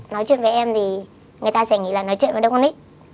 nói chuyện với em thì người ta sẽ nghĩ là nói chuyện với đứa con nít